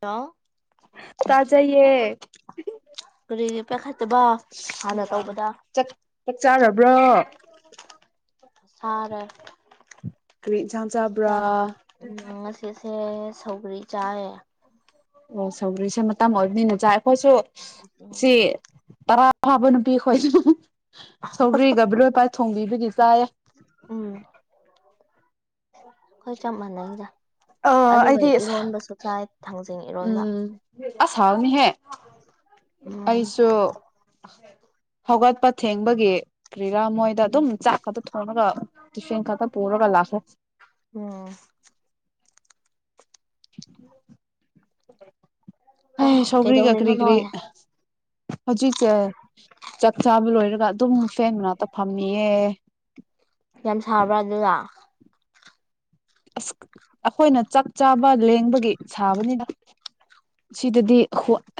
ꯑꯣ ꯀꯔꯤꯒꯤ ꯄꯥꯏꯈꯠꯇꯕ ꯍꯥꯟꯅ ꯇꯧꯕꯗ ꯆꯠ ꯆꯥꯔꯕ꯭ꯔꯥ ꯇ ꯁꯥꯥꯔ ꯀ ꯎꯝ ꯉꯁꯤꯁꯦ ꯁꯧꯒꯔꯤ ꯆꯥꯏꯌꯦ ꯑꯣꯁꯒ꯭ꯔꯤꯁꯦ ꯃꯇꯝ ꯑꯣꯏꯅꯤꯅ ꯆꯥꯏ ꯑꯩꯈꯣꯏꯁꯨ ꯁꯤ [inaudible] ꯇꯔꯥ ꯐꯥꯕ ꯅꯨꯄꯤꯈꯣꯏꯁꯨ ꯁꯧꯒ꯭ꯔꯤꯒ ꯕꯤꯔꯣꯏꯄꯥ ꯊꯣꯡꯕꯤꯕꯗꯤ ꯆꯥꯏꯌꯦ ꯎꯝ ꯑꯩꯣꯏ ꯆꯃꯟ ꯅꯗ ꯑꯥ ꯑꯗꯨꯒ ꯑꯩꯗꯤ ꯏꯔꯣꯟꯕꯁꯨ ꯆꯥꯏ ꯊꯥꯡꯖꯤꯡ ꯏꯔꯣꯟꯕ ꯎꯝ ꯑꯁ ꯍꯥꯎꯅꯤꯍꯦ ꯎꯝ ꯑꯩꯁꯨ ꯍꯧꯒꯠꯄ ꯊꯦꯡꯕꯒꯤ ꯀꯔꯤꯔꯥ ꯃꯣꯏꯗ ꯎꯝ ꯑꯗꯨꯝ ꯆꯥꯛ ꯈꯛꯇ ꯊꯣꯡꯉꯒ ꯇꯨꯏꯁꯦꯟ ꯈꯛꯇ ꯄꯨꯔꯒ ꯂꯥꯛꯈꯦ ꯎꯝ ꯑꯦ ꯁꯒꯔꯤ ꯀ ꯀꯩꯗꯧꯔꯤꯅꯣ ꯀꯔꯤ ꯀꯔꯤ ꯅꯣꯏ ꯍꯧꯖꯤꯛꯁꯦ ꯆꯥꯛ ꯆꯥꯕ ꯂꯣꯏꯔꯒ ꯑꯗꯨꯝ ꯐꯦꯟ ꯃ ꯉꯅꯥꯛꯇ ꯐꯝꯃꯤꯌꯦ [inaudible] ꯌꯥꯝ ꯁꯥꯕ꯭ꯔꯥ ꯑꯗꯨꯒ ꯑꯁ ꯑꯩꯈꯣꯏꯅ ꯆꯥꯛ ꯆꯥꯕ ꯂꯦꯡꯕꯒꯤ ꯁꯥꯕꯅꯤꯅ ꯁꯤꯗꯗꯤ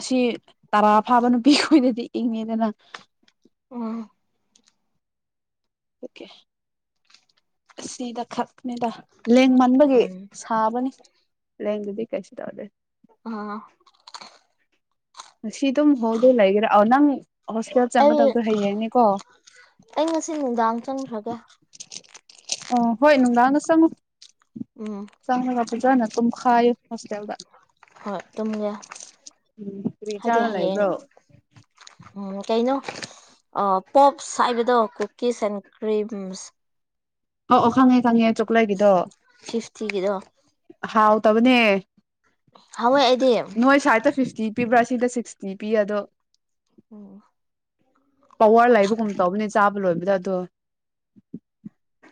ꯁꯤ ꯇꯔꯥ ꯐꯥꯕ ꯅꯨꯄꯤ ꯈꯣꯏꯅꯗꯤ ꯏꯪꯉꯦꯗꯅ ꯑꯣ ꯄ ꯑꯁꯤꯗ ꯈꯥꯅꯦꯗ ꯂꯦꯡ ꯃꯟꯕꯒꯤ ꯎꯝ ꯁꯥꯕꯅꯤ ꯂꯦꯡꯗꯨꯗꯤ ꯀꯩꯁꯨ ꯇꯧꯔꯗꯦ ꯑꯥ ꯁꯤꯗꯨꯝ ꯍꯣꯗꯂꯒꯔ ꯅꯪ ꯍꯣꯁꯄꯤꯇꯜ ꯑꯩ ꯆꯪꯒꯗꯕꯗꯣ ꯍꯩꯩꯅꯩꯅꯤꯀꯣ ꯑꯩ ꯉꯁꯤ ꯅꯨꯡꯗꯥꯡ ꯆꯪꯈ꯭ꯔꯒꯦ ꯑꯣ ꯍꯣꯏ ꯅꯨꯡꯗꯥꯡꯅ ꯆꯪꯉꯣ ꯎꯝ ꯆꯥꯡ ꯀꯄ ꯀ ꯅ ꯇꯨꯝ ꯈꯥꯏ ꯍꯁꯇꯗ ꯍꯣꯏ ꯇꯨꯝꯒꯦ ꯎꯝ ꯀꯔꯤ ꯍꯥꯏꯗꯤ ꯆꯥꯔ ꯍꯌꯦꯡ ꯂꯩꯕ꯭ꯔꯣ ꯎꯝ ꯀꯩ ꯩꯅꯣ ꯄꯣꯞꯁ ꯍꯥꯏꯕꯗꯣ ꯀꯨꯀꯤꯁ ꯑꯦꯟ ꯀ꯭ꯔꯤꯝꯁ ꯑ ꯑꯣ ꯈꯪꯉꯦ ꯈꯪꯉꯦ ꯆꯣꯀꯂꯦꯒꯤꯗꯣ ꯁꯤꯐꯇꯤꯒꯤꯗꯣ ꯍꯥꯎꯇꯕꯅꯦ ꯍꯥꯎꯋꯦ ꯑꯩꯗꯤ ꯅꯣꯏ ꯁꯥꯏꯠꯇ ꯐꯤꯐꯇꯤ ꯄꯤꯕ꯭ꯔꯥ ꯁꯤꯗ ꯁꯤꯛꯁꯇꯤ ꯄꯤ ꯑꯗꯣ ꯎꯝ ꯄꯋꯥꯔ ꯂꯩꯕꯒꯨꯝ ꯇꯧꯕꯅꯦ ꯆꯥꯕ ꯂꯣꯏꯕꯗ ꯑꯗꯣ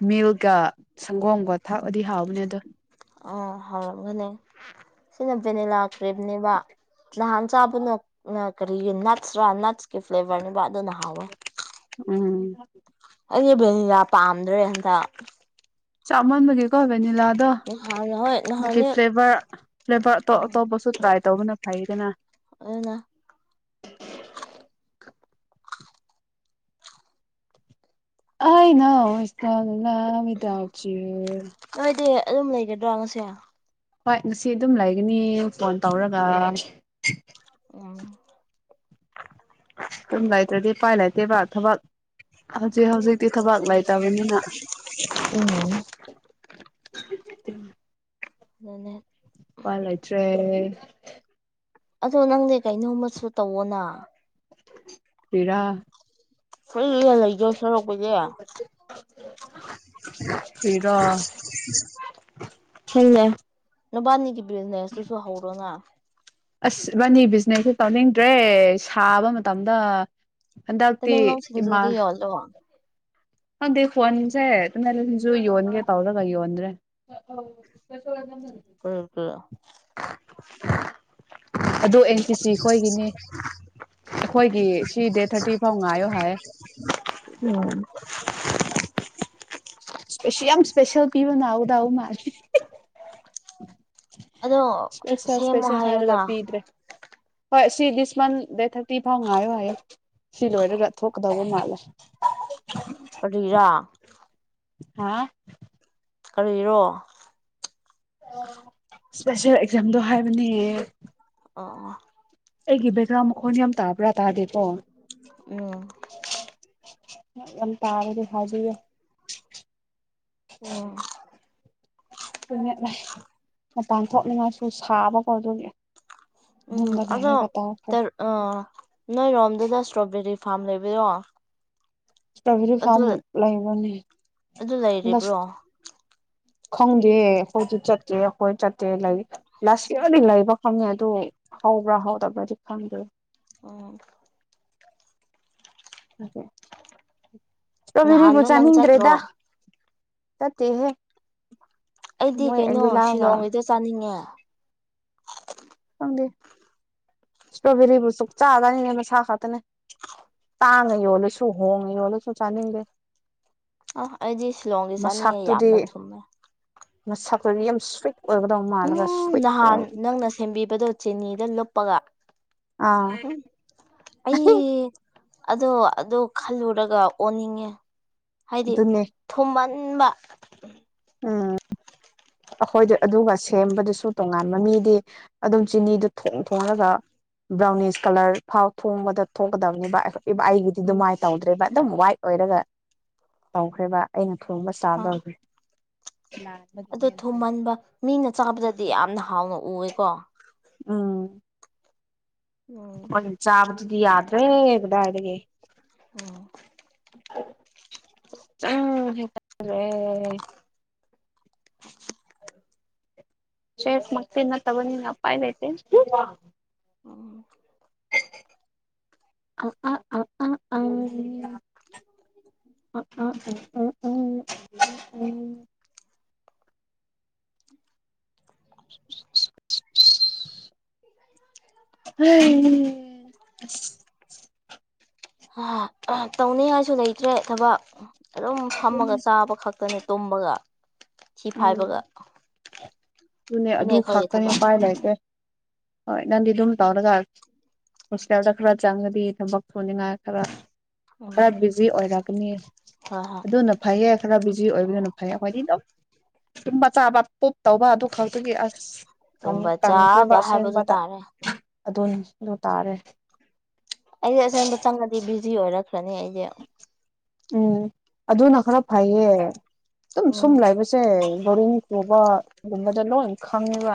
ꯃꯤꯜꯀ ꯁꯪꯒꯣꯝꯒ ꯊꯥꯛꯑꯗꯤ ꯍꯥꯎꯕꯅꯦ ꯑꯗꯣ ꯑꯣ ꯍꯧꯔꯝꯒꯅꯤ ꯁꯤꯅ ꯚꯦꯅꯤꯂꯥ ꯀ꯭ꯔꯤꯝꯅꯦꯕ ꯅꯍꯥꯟ ꯆꯥꯕꯅꯣ ꯀꯔꯤꯒꯤ ꯅꯠꯁꯔꯥ ꯅꯠꯁꯀꯤ ꯐ꯭ꯂꯦꯚꯔꯅꯤꯕ ꯑꯗꯨ ꯅ ꯍꯥꯎꯋꯦ ꯎꯝ ꯑꯩꯁꯦ ꯚꯦꯅꯤꯂꯥ ꯄꯥꯝꯗ꯭ꯔꯦ ꯍꯟꯗ ꯆꯥꯃꯜ ꯂꯒꯦꯀꯣ ꯦꯅꯤꯂꯗ ꯅꯍꯥꯟ ꯍꯣꯏ ꯑꯗꯨꯒꯤ ꯅꯍꯥꯟꯅꯤ ꯐ꯭ꯂꯦꯚꯔ ꯐ꯭ꯂꯦꯚꯔꯇꯣꯞ ꯎꯝ ꯑꯇꯣꯞꯄꯁꯨ ꯇ꯭ꯔꯥꯏ ꯇꯧꯕꯅ ꯐꯩꯗꯅ ꯑꯗꯨꯅ ꯑꯩꯅ ꯍꯧ ꯏꯁꯇ ꯑꯃꯗ ꯍꯥꯁꯤ ꯅꯣꯏꯗꯤ ꯑꯗꯨꯝ ꯂꯩꯒꯗ꯭ꯔꯣ ꯃꯁꯦ ꯍꯣꯏ ꯉꯁꯤ ꯑꯗꯨꯝ ꯂꯩꯒꯅꯤ ꯐꯣꯟ ꯇꯧꯔꯒ ꯎꯝ ꯑꯗꯨꯨꯝ ꯂꯩꯇ꯭ꯔꯗꯤ ꯎꯄꯥꯏ ꯂꯩꯇꯦꯕ ꯊꯕꯛ ꯍꯧꯖꯤꯛ ꯍꯧꯖꯤꯛꯇꯤ ꯊꯥꯕꯛ ꯂꯩꯥꯏꯇꯕꯅꯤꯅ [inaudible] [unintelligible] ꯑꯗꯨꯅꯦ [unintelligible] ꯎꯄꯥꯏ ꯂꯩꯇ꯭ꯔꯦ ꯑꯗꯣ ꯅꯪꯗꯤ ꯀꯩꯅꯣꯃꯥꯁꯨ ꯇꯧꯋꯣꯅ ꯀ꯭ꯔꯤꯔꯥ ꯐ꯭ꯔꯤꯗ ꯂꯩꯗꯣꯏ ꯁꯔꯨꯛꯄꯨꯗꯤ ꯀ꯭ꯔꯤꯔꯣ ꯈꯪꯗꯦ ꯅꯕꯥꯅꯤꯒꯤ ꯕꯤꯖꯤꯅꯦꯁꯇꯨꯁꯨ ꯍꯧꯔꯣꯅ ꯑꯁ ꯏꯕꯥꯅꯤ ꯕꯤꯖꯤꯅꯦꯁꯁꯦ ꯇꯧꯅꯤꯡꯗ꯭ꯔꯦ ꯁꯥꯕ ꯃꯇꯝꯗ ꯍꯟꯗꯛꯇꯤ ꯇꯃꯦꯡꯂꯣꯡ ꯏꯃꯥ ꯁꯤꯡꯖꯨꯗꯣ ꯌꯣꯜꯂꯣ ꯈꯪꯗꯦ ꯐꯣꯟꯁꯦ ꯑꯗꯨꯁꯨ ꯌꯣꯟꯒꯦ ꯇꯧꯔꯒ ꯌꯣꯟꯗ꯭ꯔꯦ ꯀꯩꯒꯤ ꯑꯗꯨ ꯑꯦꯟꯇꯤꯁꯤ ꯈꯣꯏꯒꯤꯅꯦ ꯑꯩꯈꯣꯏꯒꯤ ꯁꯤ ꯗꯦꯠ ꯊꯥꯔꯇꯤ ꯐꯥꯎ ꯉꯥꯏꯌꯣ ꯍꯥꯏꯌꯦ ꯎꯝ [unintelligible] [inaudible] ꯏꯁꯄꯦꯁꯤ ꯌꯥꯝ ꯏꯁꯄꯦꯁꯦꯜ ꯄꯤꯕ ꯅꯥꯎꯗꯎ ꯃꯥꯜꯂꯦ ꯑꯗꯣ ꯏꯁꯄꯦꯁꯜ ꯁꯦꯝꯃꯣ ꯏꯁꯄꯦꯁꯜ ꯍꯥꯏꯔꯒ ꯍꯥꯏꯌꯨꯅ ꯄꯤꯗ꯭ꯔꯦ ꯍꯣꯏ ꯁꯤ ꯗꯤꯁ ꯃꯟꯠ ꯗꯦꯠ ꯊꯥꯔꯇꯤ ꯐꯥꯎ ꯉꯥꯏꯌꯣ ꯍꯥꯏꯌꯦ ꯁꯤ ꯂꯣꯏꯔꯒ ꯊꯣꯛꯀꯗꯧꯕ ꯃꯥꯜꯂꯦ ꯀꯥꯔꯤꯔꯥ ꯍꯥꯥ ꯀꯥꯔꯤꯔꯣ ꯏꯁꯄꯦꯁꯦꯜ ꯑꯦꯛꯖꯥꯝꯗꯣ ꯍꯥꯏꯕꯅꯦ ꯑꯣ ꯑꯩꯒꯤ ꯕꯦꯛꯒ꯭ꯔꯥꯎꯟ ꯃꯈꯣꯟ ꯌꯥꯝ ꯇꯥꯕ꯭ꯔꯥ ꯇꯥꯗꯦꯀꯣ ꯎꯝ ꯌꯥꯝ ꯇꯥꯔꯗꯤ ꯍꯥꯏꯕꯤꯒꯦ ꯑꯣ [unintelligible] ꯇꯣꯏꯠ ꯂꯩ ꯃꯄꯥꯟ ꯊꯣꯛꯅꯤꯡꯉꯥꯏꯁꯨ ꯁꯥꯕꯀꯣ ꯑꯗꯨꯒꯤ ꯎꯝ ꯃꯅꯨꯡꯗ ꯑꯗꯣ ꯂꯩꯔꯒ ꯇꯧꯈ꯭ꯔꯦ ꯇꯔ ꯑ ꯅꯣꯏꯔꯣꯝꯗꯒ ꯏꯁꯇ꯭ꯔꯣꯕꯦꯔꯤ ꯐꯥꯝ ꯂꯩꯕꯔꯣ ꯏꯁꯇ꯭ꯔꯣꯕꯦꯔꯤ ꯐꯥꯝ ꯂꯩꯕꯅꯦ ꯑꯗꯨ ꯂꯩꯔꯤꯕ꯭ꯔꯣ ꯈꯪꯗꯦ ꯍꯧꯖꯤꯛ ꯆꯠꯇꯣꯏꯔ ꯍꯣꯔꯦꯟ ꯆꯠꯇꯣꯏꯔ ꯂꯩꯔꯤ ꯂꯥꯁ ꯌꯥꯔꯗꯤ ꯂꯩꯕ ꯐꯪꯉꯦ ꯑꯗꯣ ꯍꯧꯕ꯭ꯔꯥ ꯍꯧꯗꯕ꯭ꯔꯥꯗꯤ ꯈꯪꯗꯦ ꯑꯣ ꯀꯣꯕꯤꯔꯤꯕꯨ ꯅꯍꯥꯟꯗꯣ ꯅꯪ ꯆꯠꯇ꯭ꯔꯣ ꯆꯥꯅꯤꯡꯗ꯭ꯔꯦꯗ ꯅꯠꯇꯦꯍꯦ ꯑꯩꯗꯤ ꯀꯩꯅꯣ ꯁꯤꯂꯣꯡꯒꯤꯗꯣ ꯆꯥꯅꯤꯡꯉꯦ ꯐꯪꯗꯦ [unintelligible] ꯁꯇ꯭ꯔꯣꯕꯦꯔꯤꯕꯨ ꯁꯨꯛ ꯆꯥ ꯆꯥꯅꯤꯡꯗꯦ ꯃꯁꯥ ꯈꯛꯇꯅꯦ ꯇꯥꯡꯅ ꯌꯣꯜꯂꯁꯨ ꯍꯣꯡꯅ ꯌꯣꯜꯂꯁꯨ ꯆꯥꯅꯤꯡꯗꯦ ꯑ ꯑꯩꯗꯤ ꯁꯤꯂꯣꯡꯒꯤ ꯆꯥꯅꯤꯡꯉꯦ ꯌꯥꯝꯅ ꯊꯨꯝꯃꯦ ꯃꯥꯁꯛꯇꯗꯤ ꯌꯥꯝ ꯁ꯭ꯋꯤꯠ ꯑꯣꯏꯒꯗꯧ ꯃꯥꯜꯂꯒ ꯎꯝ ꯁ꯭ꯋꯤꯠꯁꯨ ꯅꯍꯥꯟ ꯑꯣꯏꯗꯦ ꯅꯪꯅ ꯁꯦꯝꯕꯤꯕꯗꯣ ꯆꯤꯅꯤꯗ ꯂꯨꯞꯄꯒ ꯑꯥ ꯎꯝ ꯑꯩ ꯑꯗꯣ ꯑꯗꯨ ꯈꯜꯂꯨꯔꯒ ꯑꯣꯟꯅꯤꯡꯉꯦ ꯍꯥꯏꯗꯤ ꯑꯗꯨꯅꯦ ꯊꯨꯝꯃꯟ ꯕ ꯑꯥ ꯑꯩꯈꯣꯏꯗ ꯑꯗꯨꯒ ꯁꯦꯝꯕꯗꯨꯁꯨ ꯇꯣꯉꯥꯟꯕ ꯃꯤꯗꯤ ꯑꯗꯨꯝ ꯆꯤꯅꯤꯗꯨ ꯊꯣꯡ ꯊꯣꯡꯉꯒ ꯕ꯭ꯔꯥꯎꯅꯤꯁ ꯀꯂꯔ ꯐꯥꯎ ꯊꯣꯡꯕꯗ ꯊꯣꯛꯀꯗꯕꯅꯤ ꯄꯕ ꯑꯩꯒꯤꯗꯤ ꯎꯝ ꯑꯗꯨꯃꯥꯏꯅ ꯇꯧꯗ꯭ꯔꯦꯕ ꯑꯗꯨꯝ ꯋꯥꯏꯠ ꯑꯣꯏꯔꯒ ꯇꯧꯈ꯭ꯔꯦꯕ ꯑꯩꯅ ꯒꯨꯝꯕ ꯍꯪ ꯁꯗꯧꯒꯤ ꯑꯗꯣ ꯊꯨꯝꯍꯟꯕ ꯃꯤꯅ ꯆꯥꯕꯗꯗꯤ ꯌꯥꯝꯅ ꯍꯥꯎꯅ ꯎꯑꯦꯀꯣ ꯑꯥ ꯎꯝ ꯍꯣꯏ ꯆꯥꯕꯗꯨꯗꯤ ꯌꯥꯗ꯭ꯔꯦ ꯀꯗꯥꯏꯗꯒꯤ ꯑꯣ ꯑꯥ ꯍ꯭ꯔꯦ [unintelligible] ꯆꯦꯐ ꯃ ꯅ ꯇꯕꯅꯤ ꯅ ꯑꯄꯥꯏ ꯂꯩꯇ‌ꯦ ꯎꯝ ꯑ ꯑꯥ ꯑ ꯑꯥ ꯑꯥ ꯑ ꯑ ꯎꯝ ꯎꯝ ꯎꯝ [unintelligible] ꯍ ꯑ ꯑ ꯇꯧꯅꯤ ꯍꯥꯏꯁꯨ ꯂꯩꯇ꯭ꯔꯦ ꯊꯕꯛ ꯑꯗꯨꯝ ꯐꯝꯃꯒ ꯆꯥꯕ ꯈꯛꯇꯅꯦ ꯇꯨꯝꯃꯒ ꯎꯝ ꯑꯗꯨꯅꯦ ꯁꯤꯅꯦ ꯑꯗꯨ ꯑꯩꯈꯣꯏꯒꯤ ꯈꯥꯛꯇꯅꯦ ꯊꯕꯛ ꯄꯥꯏ ꯂꯩꯀꯦ ꯍꯣꯏ ꯅꯪꯗꯤ ꯑꯗꯨꯝ ꯇꯧꯔꯒ ꯍꯣꯁꯇꯦꯜꯗ ꯈꯔ ꯆꯪꯉꯗꯤ ꯊꯕꯛ ꯊꯨꯅꯤꯡꯉꯥꯏ ꯈꯔ ꯎꯝ ꯈꯔ ꯕꯤꯖꯤ ꯑꯣꯏꯔꯛꯀꯅꯤ ꯍꯣꯏ ꯍꯣꯏ ꯑꯗꯨꯅ ꯐꯩꯌꯦ ꯈꯔ ꯕꯤꯖꯤ ꯎꯝ ꯑꯣꯏꯕꯗꯨꯅ ꯐꯩꯌꯦ ꯍꯣꯏꯗꯤ ꯇꯨꯝꯕ ꯆꯥꯕ ꯄꯣꯞ ꯇꯧꯕ ꯑꯗꯨ ꯈꯛꯇꯒꯤ ꯑꯁ ꯇꯨꯝꯕ ꯀꯟꯈ꯭ꯔꯦꯕ ꯆꯥꯕ ꯍꯥꯏꯕꯗꯨ ꯑꯁꯦꯡꯕꯗ ꯇꯥꯔꯦ ꯑꯗꯨꯗ ꯇꯥꯔꯦ ꯑꯩꯁꯦ ꯑꯁꯦꯡꯕ ꯆꯪꯉꯗꯤ ꯕꯤꯖꯤ ꯑꯣꯏꯔꯛꯈ꯭ꯔꯅꯤ ꯑꯩꯁꯦ ꯎꯝ ꯑꯗꯨꯅ ꯈꯔ ꯐꯩꯌꯦ ꯑꯗꯨꯝ ꯁꯨꯝ ꯎꯝ ꯂꯩꯕꯁꯦ ꯕꯣꯔꯤ ꯄꯨꯕꯒꯨꯝꯕꯗ ꯂꯣꯏ ꯈꯪꯉꯤꯕ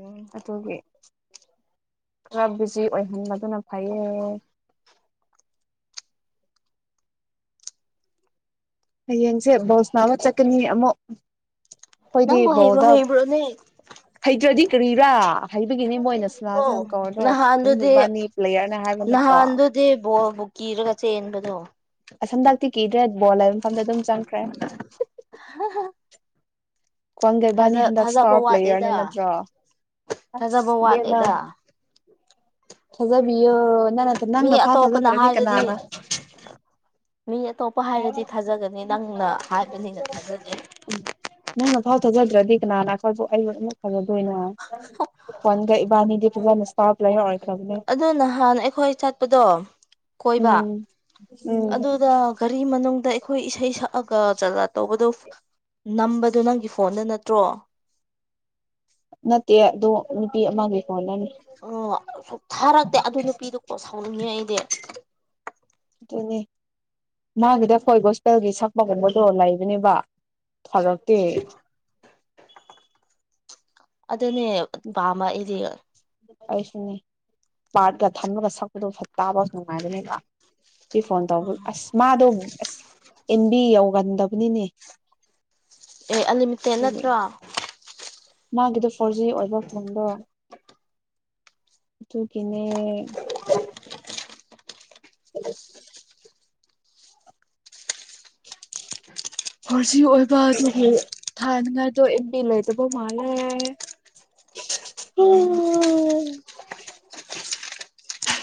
ꯎꯝ ꯑꯗꯨꯒꯤ ꯈꯔ ꯕꯤꯖꯤ ꯑꯣꯏꯍꯟꯕꯗꯨꯅ ꯐꯩꯌꯦ [unintelligible] ꯍꯌꯦꯡꯁꯦ ꯕꯣꯁꯅꯥ ꯑꯃ ꯆꯠꯀꯅꯤ ꯑꯃꯨꯛ ꯑꯩꯈꯣꯏꯗꯤ ꯅꯪꯕꯨ ꯍꯩꯕꯨ ꯕꯣꯗ ꯍꯩꯕ꯭ꯔꯣꯅꯦ ꯍꯩꯇ꯭ꯔꯗꯤ ꯀꯔꯥ ꯍꯩꯕꯒꯤꯅꯦ ꯃꯣꯏꯅ ꯁꯨꯅꯥꯁ ꯀꯧꯔꯅꯣ ꯅꯍꯥꯟꯗꯨꯗꯤ ꯏꯕꯥꯅꯤ ꯄ꯭ꯂꯦꯌꯔꯅ ꯍꯥꯏꯕ ꯅꯠꯇ꯭ꯔꯣ ꯀꯤꯔꯒꯁꯦꯟꯕꯗꯣ ꯑꯁꯟꯗꯥꯛꯇꯤ ꯀꯤꯗ꯭ꯔꯦ ꯕꯣꯜ ꯍꯥꯏꯕ ꯃꯐꯝꯗ ꯑꯗꯨꯝ ꯆꯪꯈ꯭ꯔꯦ ꯀ꯭ꯋꯥꯡꯒꯩꯕꯥꯅꯤ ꯊꯥꯖ ꯍꯟꯗꯛ ꯊꯥꯖꯕ ꯏꯁꯇꯥꯔ ꯄ꯭ꯂꯦꯌꯔꯅꯦ ꯋꯥꯠꯂꯤꯗ ꯅꯠꯇ꯭ꯔꯣ ꯑꯁ ꯊꯥꯖꯕ ꯗꯃ ꯋꯥꯠꯂꯦꯗ ꯊꯥꯖꯕꯤꯌꯣ ꯅꯪ ꯃꯤ ꯅꯪꯅ ꯐꯥ ꯑꯇꯣꯞꯄꯅ ꯊꯥꯖꯗ꯭ꯔꯗꯤ ꯍꯥꯏꯔꯗꯤ ꯀꯅꯥꯅ ꯃꯤ ꯑꯇꯣꯞꯄ ꯍꯥꯏꯔꯗꯤ ꯊꯥꯖꯒꯅꯤ ꯅꯪꯅ ꯍꯥꯏꯕꯅꯤꯅ ꯊꯥꯖꯒꯦ ꯅꯪꯅ ꯐꯥꯎ ꯊꯥꯖꯗ꯭ꯔꯗꯤ ꯀꯅꯥꯅ ꯑꯩꯈꯣꯏꯕꯨ ꯑꯩꯕꯨ ꯑꯃꯨꯛ ꯐꯖꯗꯣꯏꯅꯣ ꯍꯣꯟꯒ ꯏꯕꯥꯅꯤꯗꯤ ꯀꯁ ꯂꯩꯦ ꯍ ꯑꯗꯨ ꯅꯍꯥꯟ ꯑꯩꯈꯣꯏ ꯆꯠꯄꯗꯣ ꯀꯣꯏꯕ ꯎꯝ ꯎꯝ ꯑꯗꯨꯗ ꯔꯤ ꯃꯅꯨꯡꯗꯗ ꯑꯩꯈꯣꯏ ꯏꯁꯩ ꯁꯛꯑꯒ ꯖꯒꯥ ꯇꯧꯕꯗꯨꯣ ꯅꯝꯕꯗꯨꯣ ꯅꯪꯒꯤ ꯐꯣꯟꯗ ꯅꯠꯇ꯭ꯔꯣ [unintelligible] ꯅꯠꯇꯦ ꯑꯗꯣ ꯅꯨꯄꯤ ꯑꯃꯒꯤ ꯐꯣꯟꯗꯅꯤ ꯑꯣ ꯁ ꯊꯥꯔꯛꯇꯦ ꯑꯗꯨ ꯅꯨꯄꯤꯗꯣ ꯀꯣ ꯁꯥꯎꯅꯤꯡꯉꯦ ꯑꯩꯗꯤ ꯑꯗꯨꯏꯅꯦ ꯃꯥꯒꯤꯗ ꯑꯩꯣꯏ ꯒꯣꯁꯄꯦꯜꯒꯤ ꯁꯛꯄ ꯀꯩꯅꯣꯗꯣ ꯂꯩꯕꯅꯦꯕ ꯐꯔꯀ ꯑꯗꯨꯅꯦ ꯄꯥꯝꯕ ꯑꯩꯗꯤ ꯑꯩꯁꯨꯅꯦ ꯄꯥꯔꯠꯀ ꯊꯝꯃꯒ ꯁꯛꯄꯗꯣ ꯐꯠ ꯇꯥꯕ ꯅꯨꯡꯉꯥꯏꯕꯅꯦꯕ ꯁꯤ ꯐꯣꯟ ꯇꯧꯕ ꯑꯁ ꯃꯥꯗꯧꯅꯤ ꯑꯁ ꯑꯦꯟꯕꯤ ꯌꯧꯒꯟꯗꯕꯅꯤꯅꯦ ꯑꯦ ꯑꯟꯂꯤꯃꯤꯇꯦꯠ ꯑꯗꯨꯒꯤ ꯅꯠꯇ꯭ꯔꯣ ꯃꯥꯒꯤꯗꯣ ꯐꯣꯔ ꯖꯤ ꯑꯣꯏꯕ ꯐꯣꯟꯗꯣ ꯇꯨꯡ ꯀꯅꯦ [unintelligible] [unintelligible] ꯍꯣꯔꯖꯤ ꯑꯣꯏꯕ ꯑꯗꯨꯒꯤ ꯊꯉꯥꯏꯗꯣ ꯑꯦꯝꯕꯤ ꯂꯩꯗꯕ ꯃꯥꯜꯂꯦ ꯎꯝ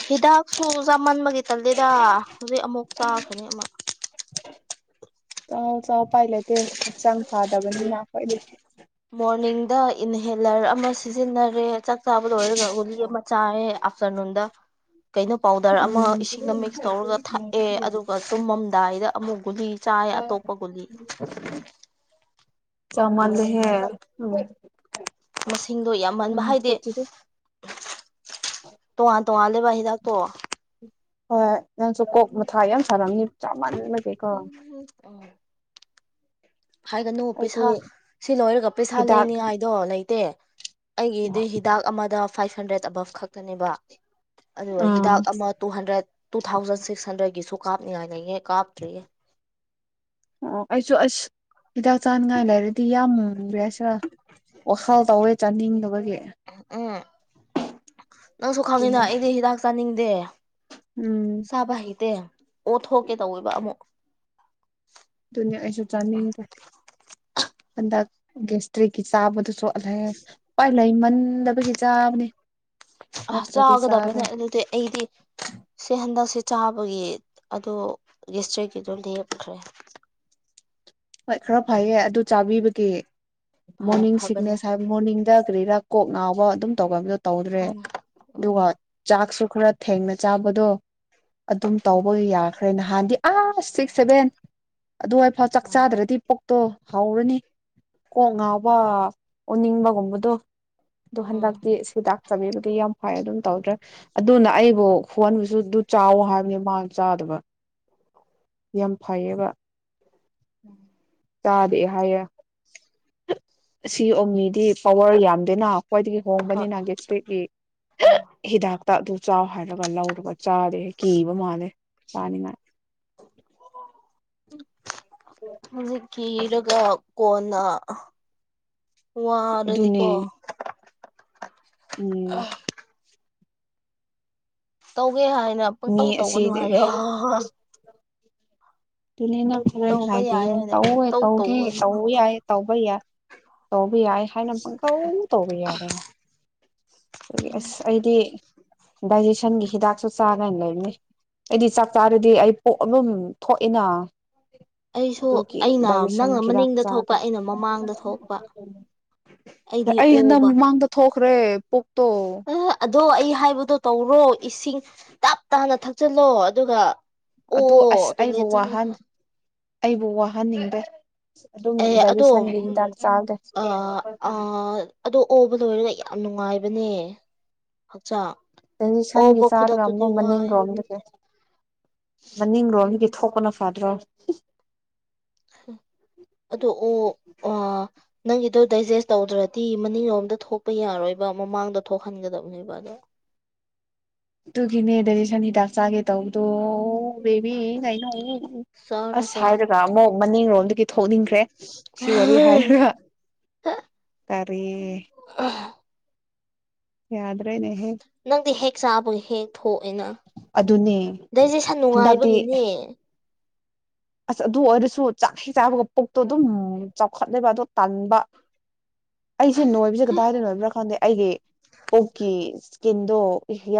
ꯍꯤꯗꯥꯛꯁꯨ ꯆꯥꯃꯟꯕꯒꯤ ꯇꯜꯂꯤꯦꯗ ꯍꯧꯖꯤꯛ ꯑꯃꯨꯛ ꯆꯥꯈꯅꯤ ꯑꯃꯨꯛ ꯆꯥꯎ ꯆꯥꯎ ꯄꯥꯏꯂꯠꯇ ꯆꯥꯡ ꯐꯥꯗꯒꯟꯅꯥꯈꯗ ꯃꯣꯔꯅꯤꯡꯗ ꯏꯟꯍꯦꯂꯔ ꯑꯃ ꯁꯤꯖꯤꯟꯅꯔꯦ ꯆꯕꯗ ꯑꯣꯏꯔꯒꯒꯣ ꯃꯆꯥꯥꯑꯦ ꯑꯐꯁꯔꯅ ꯍꯗ ꯀꯩꯅꯣ ꯄꯥꯎꯗꯔ ꯑꯃ ꯎꯝ ꯏꯁꯤꯡꯅ ꯃꯤꯛꯁ ꯇꯧꯔꯒ ꯊꯛꯑꯦ ꯑꯗꯨꯒ ꯆꯨꯝꯃꯝꯗꯥꯏꯗ ꯑꯃꯨꯛ ꯒꯨꯂꯤ ꯆꯥ ꯑꯇꯣꯄꯒꯨꯂꯤ ꯆꯃꯜ ꯍꯦ ꯃꯁꯤꯡꯗꯣ ꯌꯥꯝꯃꯟꯕ ꯍꯥꯏꯗꯤ ꯇꯣꯉꯥꯟ ꯇꯣꯉꯥꯟ ꯂꯩꯕ ꯍꯤꯗꯥꯛ ꯇꯣ ꯍꯣꯏ ꯅꯪꯁꯨ ꯀꯣꯛ ꯃꯊꯥ ꯌꯥꯝ ꯁꯥꯅꯕꯝꯅꯤ ꯆꯥꯃꯜꯂꯒꯦꯀꯣ ꯍꯥꯏꯒꯅꯨ ꯄꯩꯁꯥ ꯁꯤ ꯂꯣꯏꯔꯒ ꯄꯩꯁꯥ ꯍꯤꯗꯥꯛ ꯂꯩꯅꯤ ꯍꯥꯏꯥꯏꯗꯣ ꯂꯩꯇꯦ ꯑꯩꯒꯤꯗꯤ ꯍꯤꯗꯥꯛ ꯑꯃꯗ ꯐꯥꯏꯚ ꯍꯟꯗ꯭ꯔꯦꯠ ꯑꯕꯞ ꯈꯛꯇꯅꯦꯕ ꯑꯗꯨꯒ ꯑꯥ ꯍꯤꯗꯥꯛ ꯑꯃ two hundred two thousand six ꯍꯟꯗ꯭ꯔꯦꯗꯀꯤꯁꯨ ꯀꯥꯞꯅꯤꯡꯉꯥꯏꯅꯤ ꯑꯣ ꯑꯩꯁꯨꯁ ꯍꯤꯗꯥꯛ ꯆꯥꯅꯤꯡꯉꯥꯏ ꯂꯩꯔꯗꯤ ꯌꯥꯝ ꯃꯨꯕ꯭ꯔꯦꯁꯤꯔ ꯋꯥꯈꯜ ꯇꯧꯋꯦ ꯆꯥꯅꯤꯡꯗꯕꯒꯤ ꯎꯝ ꯅꯪꯁꯨ ꯈꯪꯉꯤꯅ ꯑꯗꯨꯅꯦ ꯑꯩꯗꯤ ꯍꯤꯗꯥꯛ ꯆꯥꯅꯤꯡꯗꯦ ꯎꯝ ꯆꯕ ꯍꯩꯇꯦ ꯑꯣ ꯊꯣꯛꯀꯦ ꯇꯧꯋꯦꯕ ꯑꯃꯨꯛ ꯑꯗꯨꯅꯤ ꯑꯩꯁꯨ ꯆꯥꯅꯤꯡꯗꯦ ꯍꯟꯗꯛ ꯒꯦꯁꯇ꯭ꯔꯤꯒꯤ ꯆꯥꯕꯗꯁꯨ ꯁꯣꯛꯂꯦ ꯄꯋꯥꯏ ꯂꯩꯃꯟꯗꯕꯒꯤ ꯆꯥꯕꯅꯦ ꯑ ꯆꯥꯒꯗꯕꯅꯦ ꯑꯗꯨꯗꯤ ꯑꯩꯗꯤ ꯁꯤ ꯍꯟꯗꯛꯁꯦ ꯆꯥꯕꯒꯤ ꯑ ꯂꯤꯁꯇ꯭ꯔꯤꯀꯤꯗꯣꯝꯗ ꯌꯦꯞꯈ꯭ꯔꯦ ꯍꯣꯏ ꯈꯔ ꯐꯩꯌꯦ ꯑꯗꯨ ꯆꯥꯕꯤꯕꯒꯤ ꯐꯔꯦ ꯃꯣꯔꯅꯤꯡ ꯐꯕꯅꯦ ꯁꯤꯒꯅꯦꯁ ꯍꯥꯏ ꯃꯣꯔꯅꯤꯡ ꯗ ꯀꯔꯤꯔ ꯀꯣꯛ ꯉꯥꯎꯕ ꯑꯗꯨꯝ ꯇꯧꯕꯗꯣ ꯇꯧꯗ꯭ꯔꯦ ꯈꯪꯉꯦ ꯎꯝ ꯑꯗꯨꯒ ꯆ ꯈꯔ ꯊꯦꯡꯅ ꯆꯥꯕꯗꯣ ꯑꯗꯨꯝ ꯎꯝ ꯇꯧꯕ ꯌꯥꯈ꯭ꯔꯦ ꯅꯍꯥꯟꯗꯤ ꯑ ꯁꯤꯛꯁ ꯁꯦꯚꯦꯟ ꯑꯗꯨꯋꯥꯏꯐꯥꯎ ꯆꯥꯛ ꯎꯝ ꯎꯝ ꯆꯥꯗ꯭ꯔꯗꯤꯣꯛ ꯇꯣ ꯍꯧꯔꯅꯤ ꯀꯣꯛ ꯉꯥꯎꯕ ꯑꯣꯅꯤꯡꯕꯒꯨꯝꯕꯗꯣ ꯑꯗꯣ ꯎꯝ ꯍꯟꯗꯛꯇꯤ ꯍꯤꯗꯥꯛ ꯆꯥꯕꯤꯕꯒꯤ ꯌꯥꯝ ꯍꯣꯏ ꯑꯗꯨꯝ ꯇꯧꯗ꯭ꯔꯦ ꯑꯗꯨꯅ ꯑꯩꯕꯨ ꯍꯣꯟꯕꯁꯨ ꯑꯗꯨ ꯆꯥꯎꯋ ꯍꯥꯏꯕꯅꯦ ꯃꯥ ꯆꯥꯗꯕ [unintelligible] ꯆꯝꯐ ꯑꯣꯏ ꯎꯝ ꯊꯥꯗꯑꯦ ꯍꯥꯏꯌꯦ ꯁꯤ ꯑꯣꯅꯤꯗꯤ ꯄꯋꯥꯔ ꯌꯥꯝꯗꯦꯅ ꯈ꯭ꯋꯥꯏꯗꯒꯤ ꯍꯣꯏ ꯍꯣꯡꯕꯅꯤꯅ ꯒꯦꯠꯁꯠꯀꯤ ꯎꯝ ꯍꯤꯗꯥꯛ ꯇ ꯑꯗꯨ ꯆꯥꯎ ꯍꯥꯏꯔꯒ ꯂꯧꯔꯒ ꯆꯥꯔꯦ ꯀꯤꯕ ꯃꯥꯜꯂꯦ ꯆꯥꯅꯤꯡꯉꯥꯏ ꯍꯧꯖꯤꯛ ꯀꯤꯔꯒ ꯀꯣꯟꯅ ꯋꯥ ꯑꯗꯨꯅꯦ ꯔꯗꯤꯀꯣ ꯎꯝ ꯑ ꯇꯧꯒꯦ ꯍꯥꯏꯅ ꯃꯤ ꯄꯪꯇꯧ ꯑꯁꯤ ꯇꯧꯕꯅꯨ ꯍꯥꯏꯌꯣ ꯑꯗꯨꯅꯦ ꯅ ꯈꯣꯔꯦꯟ ꯇꯧꯕ ꯌꯥꯏ ꯍꯥꯏꯕꯤꯌꯨ ꯍꯥꯏꯅ ꯇꯧꯋꯦ ꯄꯪꯇꯧ ꯇꯧꯒꯦ ꯇꯧꯒꯅꯨ ꯇꯧ ꯌꯥꯏ ꯇꯧꯕ ꯌꯥꯏ ꯇꯧꯕ ꯌꯥꯏ ꯍꯥꯏꯅ ꯄꯪꯇꯧꯅ ꯇꯧꯕ ꯌꯥꯗꯦꯅ ꯑꯗꯨꯒꯤ ꯑꯁ ꯑꯩꯗꯤ ꯗꯥꯏꯖꯦꯁꯟꯒꯤ ꯍꯤꯗꯥꯛꯁꯨ ꯆꯥ ꯀꯥꯏꯅ ꯂꯩꯔꯅꯤ ꯑꯩꯗꯤ ꯆꯥꯛ ꯆꯥꯔꯗꯤ ꯑꯩ ꯄꯣꯛ ꯑꯗꯨꯝ ꯊꯣꯛꯏꯅ ꯑꯩꯁꯨ ꯑꯗꯨꯒꯤ ꯑꯩꯅ ꯗꯥꯏꯖꯦꯁꯟ ꯅꯪꯅ ꯈꯤꯗꯥꯛ ꯃꯅꯤꯡꯗ ꯊꯣꯛꯄ ꯆꯥꯒꯦ ꯑꯩꯅ ꯃꯃꯥꯡꯗ ꯊꯣꯛꯄ ꯑꯩꯗꯤ ꯑꯩ ꯍꯟꯗꯛ ꯑꯣꯕ ꯃꯃꯥꯡꯗ ꯊꯣꯛꯈ꯭ꯔꯦ ꯄꯣꯛꯇꯣ ꯗꯣ ꯑꯩ ꯍꯥꯏꯕꯗꯣ ꯇꯧꯔꯣ ꯏꯁꯤꯡ ꯇꯞ ꯇꯥꯅ ꯊꯛꯆꯤꯜꯂꯣ ꯑꯗꯨꯒ ꯑꯣ ꯑꯗꯨ ꯑꯁ ꯑꯩꯕꯨ ꯇꯣꯏꯂꯦꯠ ꯋꯥꯍꯟ ꯆꯡꯉꯍꯥ ꯑꯩꯕꯨ ꯋꯥꯍꯟꯅꯤꯡꯗꯦ ꯑꯗꯨꯝ ꯑꯦ ꯑꯗꯣ ꯗꯥꯏꯖꯦꯁꯟꯒꯤ ꯎꯝ ꯍꯤꯗꯥꯛ ꯆꯥꯒꯦ ꯑ ꯑ ꯑꯗꯣ ꯑꯣꯕ ꯂꯣꯏꯔꯒ ꯌꯥꯝ ꯅꯨꯡꯉꯥꯏꯕ ꯍꯥꯏꯕꯅꯦ ꯍꯛꯆꯥꯡ ꯑꯗꯤ ꯁꯟꯒꯤ ꯑꯣꯕ ꯆꯥꯒ ꯑꯃꯣ ꯈꯨꯗꯛꯇꯨꯗꯤ ꯋꯥꯏ ꯃꯅꯤꯡꯔꯣꯝꯗꯒꯤ ꯃꯅꯤꯡꯔꯣ ꯃꯤꯒꯤ ꯊꯣꯛꯄꯅ ꯐꯗ꯭ꯔꯣ ꯑꯗꯣ ꯑꯣ ꯑ ꯅꯪꯒꯤꯗꯣ ꯗꯥꯏꯖꯦꯁ ꯇꯧꯗ꯭ꯔꯗꯤ ꯃꯅꯤꯡꯂꯣꯝꯗ ꯊꯣꯛꯄ ꯌꯥꯔꯣꯏꯕ ꯃꯃꯥꯡꯗꯣ ꯊꯣꯛꯍꯟꯒꯗꯕꯅꯦꯕ ꯑꯗꯣ ꯇꯨꯒꯤꯅꯦ ꯗꯥꯏꯖꯦꯁꯟ ꯍꯤꯗꯥꯛ ꯆꯥꯒꯦ ꯇꯧꯕꯗꯣ ꯑꯣ ꯎꯝ ꯕꯦꯕꯤ ꯅꯩꯅꯧ ꯆꯥꯔꯣ ꯑꯁ ꯆꯥꯔꯣ ꯍꯥꯏꯔꯒ ꯑꯃꯨꯛ ꯃꯅꯤꯡꯔꯣ ꯊꯣꯛꯅꯤꯡꯈ꯭ꯔꯦ ꯁꯤ ꯋꯥꯔꯤ ꯍꯥꯏꯔꯒ ꯇꯥꯔꯤ ꯌꯥꯗ꯭ꯔꯦꯅꯦ ꯅꯪꯗꯤ ꯍꯦꯛ ꯁꯥꯕꯨꯨ ꯍꯦꯡ ꯊꯣꯛꯑꯦꯅ ꯑꯗꯨꯅꯦ ꯗꯩꯖꯦꯁꯟ ꯍꯟꯗꯛꯇꯤ ꯅꯨꯡꯉꯥꯏꯕꯒꯤꯅꯦ ꯑꯁ ꯑꯗꯨ ꯑꯣꯏꯔꯁꯨ ꯆꯥꯛ ꯍꯩ ꯆꯥꯕꯒ ꯄꯨꯛꯇꯣ ꯑꯗꯨꯝ ꯆꯥꯎꯈꯠꯂꯦꯕ ꯑꯗꯣ ꯇꯟꯕ ꯑꯩꯁꯦ ꯅꯣꯏꯕꯁꯦ ꯀꯗꯥꯏꯗ ꯅꯣꯏꯕ꯭ꯔꯥ ꯀꯥꯟꯗ ꯑꯩꯒꯤ ꯄꯨꯛꯀꯤ ꯏꯁꯀꯤꯟꯗꯣ